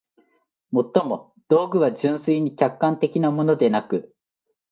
尤も、道具は純粋に客観的なものでなく、